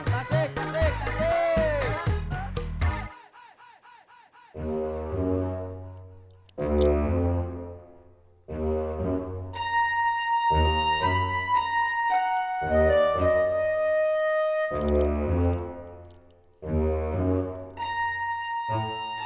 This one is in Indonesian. tasik tasik tasik